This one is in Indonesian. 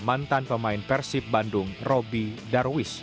mantan pemain persib bandung robby darwish